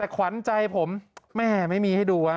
แต่ขวัญใจผมแม่ไม่มีให้ดู